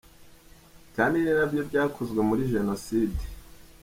Kandi ni nabyo byakozwe muri Jenoside.